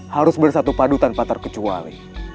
harus bersatu padu tanpa terkecuali